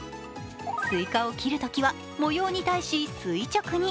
スイカを切るときは模様に対し垂直に。